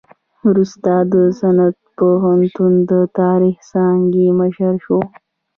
وروسته د سند پوهنتون د تاریخ څانګې مشر شو.